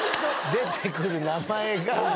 出てくる名前が。